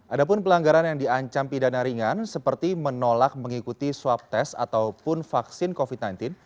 ada pun pelanggaran yang diancam pidana ringan seperti menolak mengikuti swab test ataupun vaksin covid sembilan belas